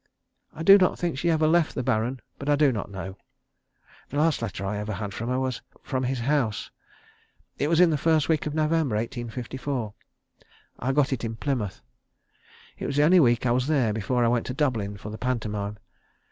I do not think she ever left the Baron, but I do not know. The last letter I ever had from her was from his house. It was in the first week of November, 1854. I got it in Plymouth. It was the only week I was there before I went to Dublin for the pantomime.